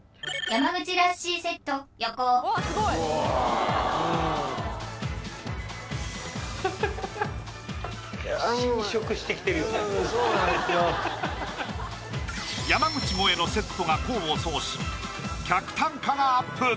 山口もえのセットが功を奏し客単価がアップ！